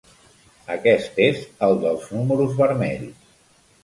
Aquest és el dels números vermells.